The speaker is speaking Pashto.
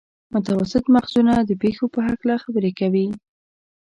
متوسط مغزونه د پېښو په هکله خبرې کوي.